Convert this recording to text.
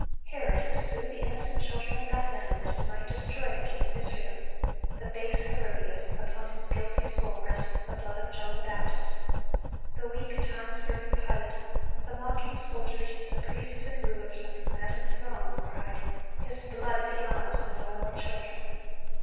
Herod, who slew the innocent children of Bethlehem that he might destroy the King of Israel; the base Herodias, upon whose guilty soul rests the blood of John the Baptist; the weak, time serving Pilate; the mocking soldiers; the priests and rulers and the maddened throng who cried, "His blood be on us, and on our children!"